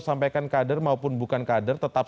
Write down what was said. sampaikan kader maupun bukan kader tetap